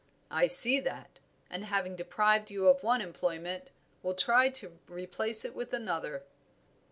"I see that, and having deprived you of one employment will try to replace it by another."